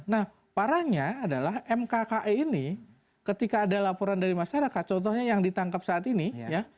nah parahnya adalah mkke ini ketika ada laporan dari masyarakat contohnya yang ditangkap saat ini ya